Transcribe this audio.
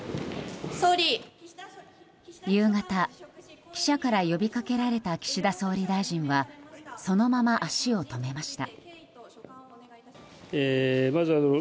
夕方、記者から呼びかけられた岸田総理大臣はそのまま足を止めました。